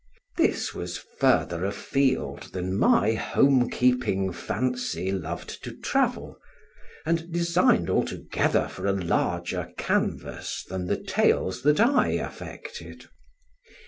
This was further afield than my home keeping fancy loved to travel, and designed altogether for a larger canvas than the tales that I affected.